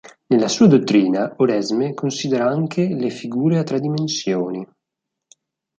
Nella sua dottrina, Oresme considera anche le figure a tre dimensioni.